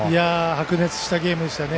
白熱したゲームでしたね。